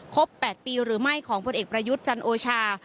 ๘ปีหรือไม่ของผลเอกประยุทธ์จันโอชา